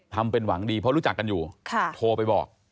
ทำเป็นหวังดีเพราะรู้จักกันอยู่โทรไปบอก